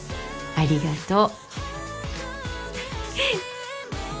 ありがとう。